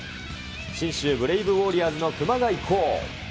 信州ブレイブウォーリアーズの熊谷航。